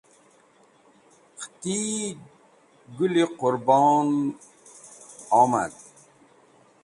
Qati Gũl-e Qũrbon omad